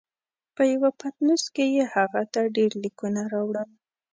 په یوه پتنوس کې یې هغه ته ډېر لیکونه راوړل.